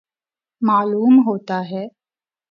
معلوم ہوتا ہے